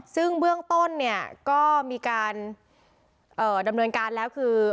ซึ่งเบื้องต้นเนี่ยก็มีการดำเนินการแล้วคือ